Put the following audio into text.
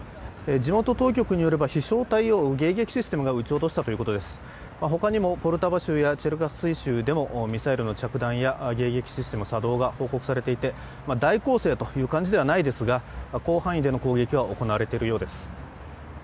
地元当局によれば飛翔体を迎撃システムが撃ち落としたということですほかにもポルタワ州やチェルカッスイ州でもミサイルの着弾や迎撃システム作動が報告されていて、大攻勢という感じではないですが、広範囲での攻撃は行われているようです。